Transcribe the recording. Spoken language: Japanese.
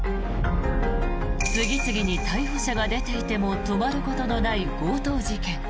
次々に逮捕者が出ていても止まることのない強盗事件。